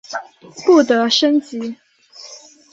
不得升级。